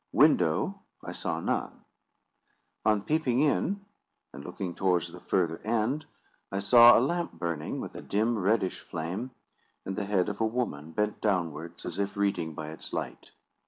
Window I saw none. On peeping in, and looking towards the further end, I saw a lamp burning, with a dim, reddish flame, and the head of a woman, bent downwards, as if reading by its light.